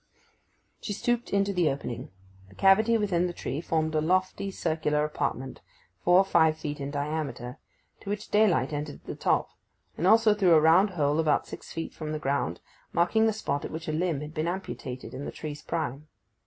She stooped into the opening. The cavity within the tree formed a lofty circular apartment, four or five feet in diameter, to which daylight entered at the top, and also through a round hole about six feet from the ground, marking the spot at which a limb had been amputated in the tree's prime.